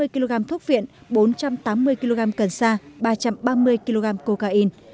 hai mươi kg thuốc viện bốn trăm tám mươi kg cần sa ba trăm ba mươi kg cocaine